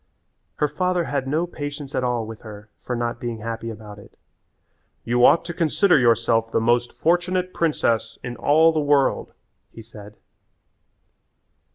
Her father had no patience at all with her for not being happy about it. "You ought to consider yourself the most fortunate princess in all the world," he said.